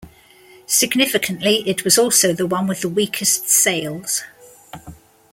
Significantly, it was also the one with the weakest sales.